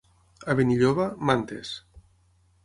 A Benilloba, mantes.